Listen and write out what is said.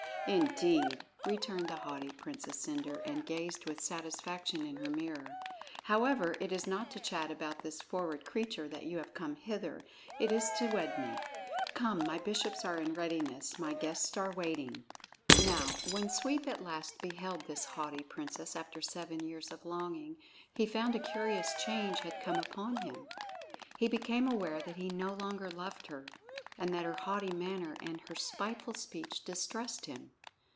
"Indeed!" returned the haughty Princess Cendre and gazed with satisfaction in her mirror. "However, it is not to chat about this forward creature that you have come hither; it is to wed me. Come, my bishops are in readiness; my guests are waiting." Now, when Sweep at last beheld this haughty Princess after seven years of longing, he found a curious change had come upon him. He became aware that he no longer loved her, and that her haughty manner and her spiteful speech distressed him.